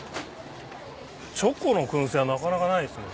チョコの燻製はなかなかないですよね。